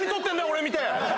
⁉俺見て。